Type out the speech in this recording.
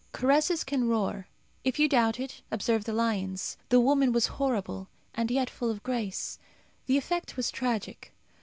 Caresses can roar. If you doubt it, observe the lion's. The woman was horrible, and yet full of grace. The effect was tragic.